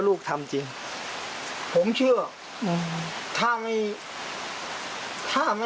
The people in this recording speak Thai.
อยากฝากอะไรถึงลูกไหมครับ